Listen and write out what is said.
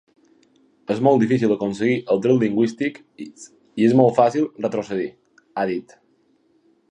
“És molt difícil aconseguir els drets lingüístics i és molt fàcil retrocedir”, ha dit.